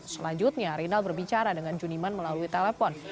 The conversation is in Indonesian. selanjutnya rinal berbicara dengan juniman melalui telepon